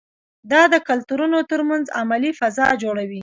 دا د کلتورونو ترمنځ علمي فضا جوړوي.